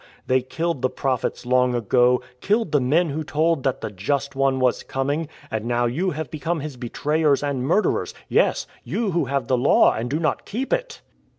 They killed the prophets long ago, killed the men who told that the Just One was coming : and now you have become His betrayers and murderers — yes, you who have the Law and do not keep it."